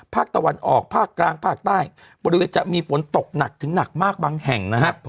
ภาคตะวันออกภาคกลางภาคใต้บริเวณจะมีฝนตกหนักถึงหนักมากบางแห่งนะครับ